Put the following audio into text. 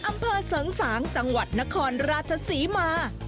อำเภอเสริงสางจังหวัดนครราชศรีมา